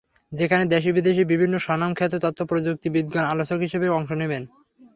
যেখানে দেশি-বিদেশি বিভিন্ন স্বনাম খ্যাত তথ্য প্রযুক্তিবিদগণ আলোচক হিসেবে অংশ নেবেন।